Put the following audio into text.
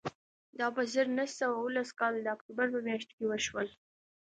دا په زر نه سوه اوولس کال د اکتوبر میاشت کې وشول